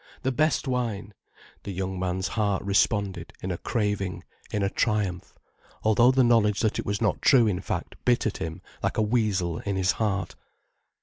"The best wine!" The young man's heart responded in a craving, in a triumph, although the knowledge that it was not true in fact bit at him like a weasel in his heart.